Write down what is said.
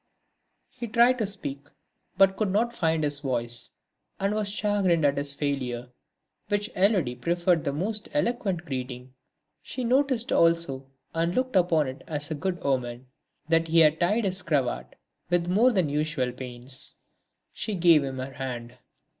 He tried to speak but could not find his voice, and was chagrined at his failure, which Élodie preferred to the most eloquent greeting. She noticed also and looked upon it as a good omen, that he had tied his cravat with more than usual pains. She gave him her hand.